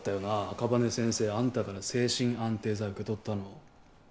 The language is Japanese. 赤羽先生あんたから精神安定剤受け取ったの。